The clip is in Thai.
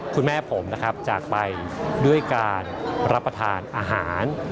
คุณแม่ผมนะครับจากไปด้วยการรับประทานอาหาร